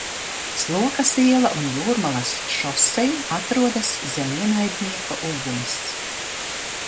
Slokas iela un Jūrmalas šoseja atrodas zem ienaidnieka uguns.